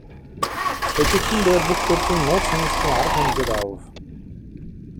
Сэжигтэн дээр бүх төрлийн нууц хяналтын арга хэмжээг авав.